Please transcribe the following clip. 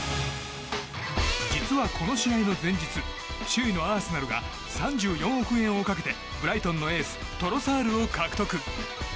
実は、この試合の前日首位のアーセナルが３４億円をかけてブライトンのエーストロサールを獲得。